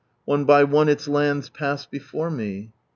One by one its lands pass before me.